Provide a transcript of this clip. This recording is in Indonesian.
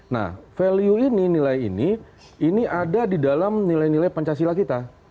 nah value ini nilai ini ini ada di dalam nilai nilai pancasila kita